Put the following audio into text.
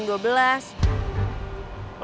lo masih belum hubungin mel